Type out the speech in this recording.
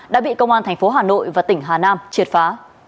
đã bị công an tp hà nội và tỉnh hà nam triệt phá